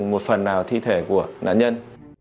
một phần nào thi thể của nạn nhân